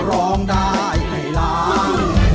ร้องได้ให้ร้อง